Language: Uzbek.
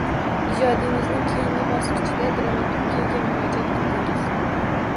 Ijodingizning keyingi bosqichida dramaturgiyaga murojaat qildingiz